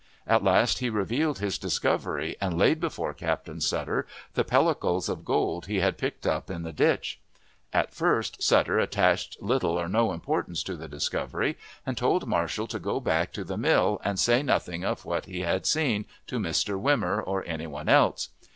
At last he revealed his discovery, and laid before Captain Sutter the pellicles of gold he had picked up in the ditch. At first, Sutter attached little or no importance to the discovery, and told Marshall to go back to the mill, and say nothing of what he had seen to Mr. Wimmer, or any one else.